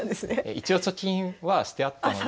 一応貯金はしてあったので。